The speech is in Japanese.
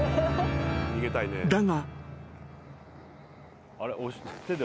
だが］